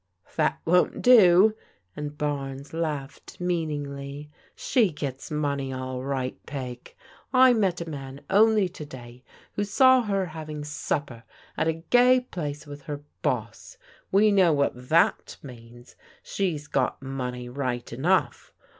"That won't do," and Barnes laughed meaningly, " She gets money all right. Peg. I met a man only to day, who saw her having supper at a gay place with her boss. We know what that means. She's got money right enough.